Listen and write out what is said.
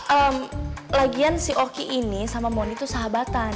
ehm lagian si oki ini sama moni tuh sahabatan